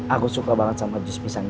aku suka banget sama jus pisang